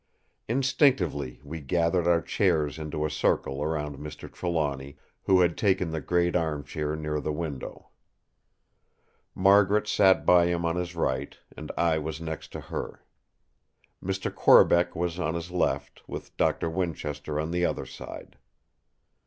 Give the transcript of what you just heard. Instinctively we gathered our chairs into a circle round Mr. Trelawny, who had taken the great arm chair near the window. Margaret sat by him on his right, and I was next to her. Mr. Corbeck was on his left, with Doctor Winchester on the other side.